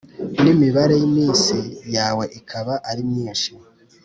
n’imibare y’iminsi yawe ikaba ari myinshi